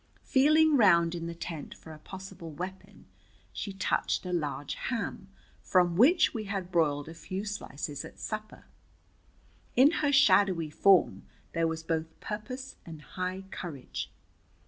Feeling round in the tent for a possible weapon, she touched a large ham, from which we had broiled a few slices at supper. In her shadowy form there was both purpose and high courage.